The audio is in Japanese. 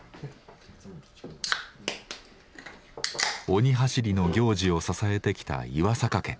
鬼はしりの行事を支えてきた岩阪家。